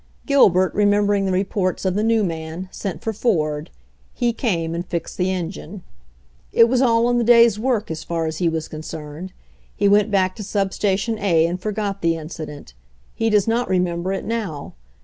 Gilbert, remem bering the reports of the new man, sent for Ford. He came and fixed the engine. It was all in the day's work, as far as he was concerned. He went back to sub station A and forgot the incident. He does not remember it now.